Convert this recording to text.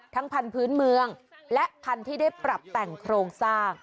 พันธุ์พื้นเมืองและพันธุ์ที่ได้ปรับแต่งโครงสร้าง